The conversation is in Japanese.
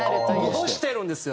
戻してるんですよ。